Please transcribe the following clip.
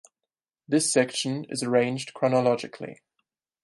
This section is arranged chronologically.